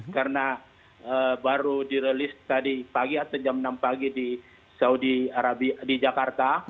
karena baru direlease tadi pagi atau jam enam pagi di saudi arabia di jakarta